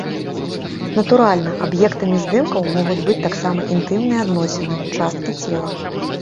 Натуральна, аб'ектамі здымкаў могуць быць таксама інтымныя адносіны, часткі цела.